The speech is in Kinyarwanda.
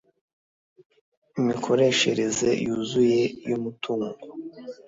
imikoreshereze yuzuye y umutungo